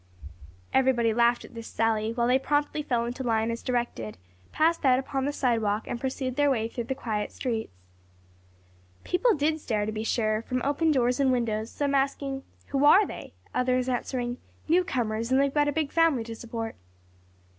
Everybody laughed at this sally while they promptly fell into line as directed, passed out upon the sidewalk and pursued their way through the quiet streets. People did stare to be sure, from open doors and windows, some asking, "Who are they?" others answering "New comers and they've got a big family to support."